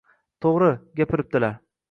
To`g`ri, gapiribdilar